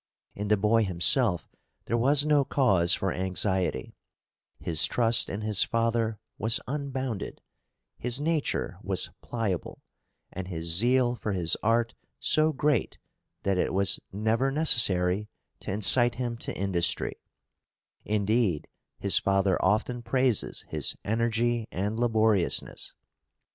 In the boy himself there was no cause for anxiety; his trust in his father was unbounded, his nature was pliable, and his zeal for his art so great that it was never necessary to incite him to industry; indeed, his father often praises his energy and laboriousness.